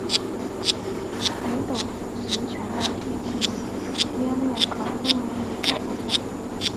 北斗神拳的剧情约略可分为以下部分。